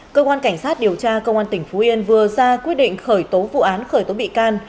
cơ quan cảnh sát điều tra công an tỉnh phú yên vừa ra quyết định khởi tố vụ án khởi tố bị can